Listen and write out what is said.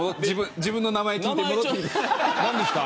自分の名前を聞いて戻ってきた。